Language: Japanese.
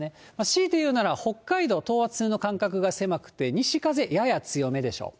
しいていうなら北海道、等圧線の間隔が狭くて、西風、やや強めでしょう。